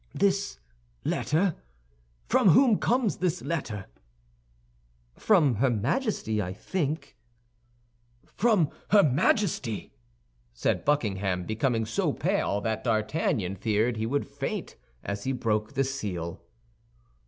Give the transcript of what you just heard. "This letter! From whom comes this letter?" "From her Majesty, as I think." "From her Majesty!" said Buckingham, becoming so pale that D'Artagnan feared he would faint as he broke the seal.